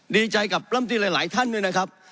ดีใจกับร่ำตีหลายท่านด้วยนะครับ